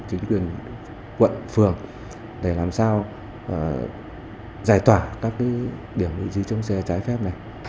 chính quyền quận phường để làm sao giải tỏa các điểm lưu trí trông giữ xe sai phép này